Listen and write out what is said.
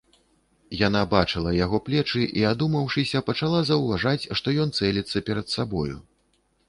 Яна бачыла яго плечы і, адумаўшыся, пачала заўважаць, што ён цэліцца перад сабою.